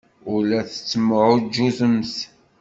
Ur la tettemɛujjutemt.